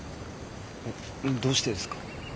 どうしてですか？